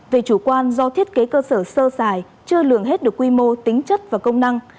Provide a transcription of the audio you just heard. về chủ quan do thiết kế cơ sở sơ xài chưa lường hết được quy mô tính chất và công năng